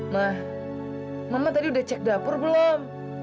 nah mama tadi udah cek dapur belum